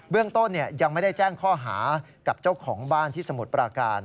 เรื่องต้นยังไม่ได้แจ้งข้อหากับเจ้าของบ้านที่สมุทรปราการ